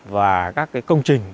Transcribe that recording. và các cái công trình